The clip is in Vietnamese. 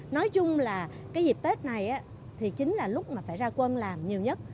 nói chung là cái dịp tết này thì chính là lúc mà phải ra quân làm nhiều nhất